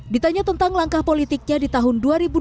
ditanya tentang langkah politiknya di tahun dua ribu dua puluh